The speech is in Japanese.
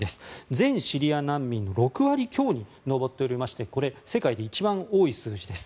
全シリア難民の６割強に上っておりこれ、世界で一番多い数字です。